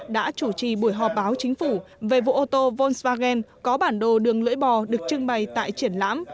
đã chủ trì buổi họp báo chính phủ về vụ ô tô volkswagen có bản đồ đường lưỡi bò được trưng bày tại triển lãm